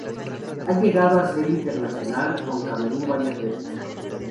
Ha llegado a ser internacional con Camerún varias veces.